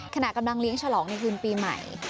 ขณะกำลังเลี้ยงฉลองในคืนปีใหม่